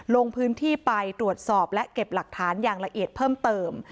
ลงพื้นที่ไปตรวจสอบและเก็บหลักฐานอย่างละเอียดเพิ่มเติม